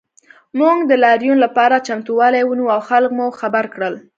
موږ د لاریون لپاره چمتووالی ونیو او خلک مو خبر کړل